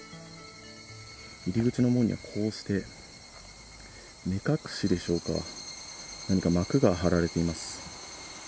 入り口の門には、こうして目隠しでしょうか、何か幕が張られています。